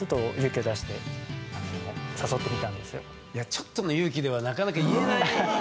ちょっとの勇気ではなかなか言えない。